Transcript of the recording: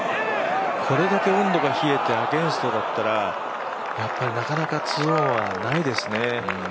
これだけ温度が冷えてアゲンストだったらなかなか２オンはないですね。